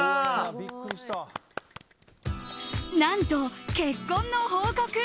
何と、結婚の報告。